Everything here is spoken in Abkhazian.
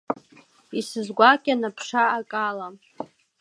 Исызгәакьан аԥша акала.